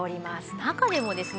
中でもですね